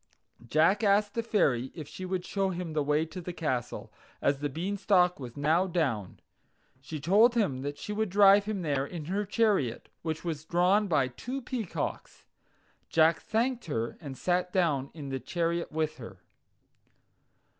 Jack asked the Fairy if she would show him the way to the castle, as the Beanstalk was now down. She told him that she would drive him there in her chariot, which was drawn by two peacocks. Jack thanked her, and sat down in the chariot with her.